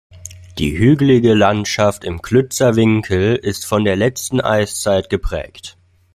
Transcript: Die hügelige Landschaft im Klützer Winkel ist von der letzten Eiszeit geprägt.